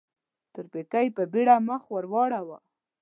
تورپيکۍ په بيړه مخ ور واړاوه.